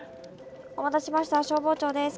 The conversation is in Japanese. お待たせしました消防庁です。